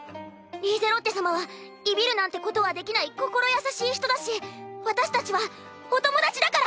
リーゼロッテ様はいびるなんてことはできない心優しい人だし私たちはお友達だから！